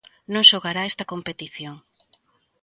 Non xogará esta competición.